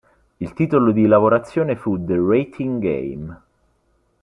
Il titolo di lavorazione fu "The Rating Game".